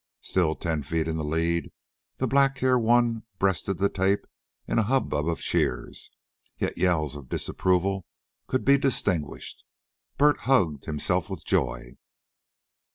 Still ten feet in the lead, the black haired one breasted the tape in a hubbub of cheers. Yet yells of disapproval could be distinguished. Bert hugged himself with joy.